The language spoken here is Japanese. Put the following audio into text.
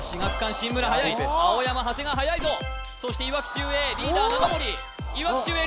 新村はやい青山長谷川はやいぞそしていわき秀英リーダー長森いわき秀英